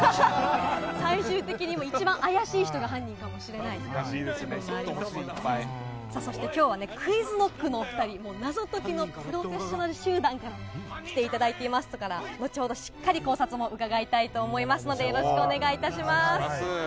最終的にも一番怪しい人が犯さあ、そしてきょうはね、ＱｕｉｚＫｏｃｋのお２人、もう謎解きのプロフェッショナル集団から来ていただいていますから、後ほどしっかり考察も伺いたいと思いますので、よろしくお願お願いします。